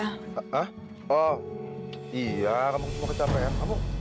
hah oh iya kamu cuma kecapean